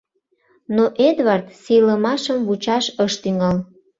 Но Эдвард сийлымашым вучаш ыш тӱҥал.